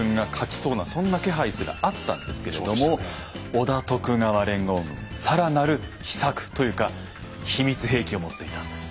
織田・徳川連合軍更なる秘策というか秘密兵器を持っていたんです。